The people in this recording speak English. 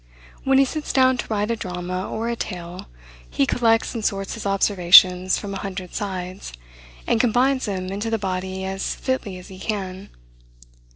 When he sits down to write a drama or a tale, he collects and sorts his observations from a hundred sides, and combines them into the body as fitly as he can.